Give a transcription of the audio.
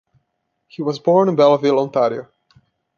He was born in Belleville, Ontario.